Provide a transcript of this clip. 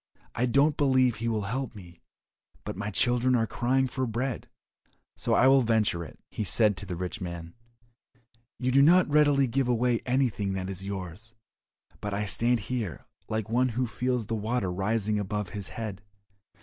I don't believe he will help me, but my children are crying for bread, so I will venture it." He said to the rich man, "You do not readily give away anything that is yours, but I stand here like one who feels the water rising above his head.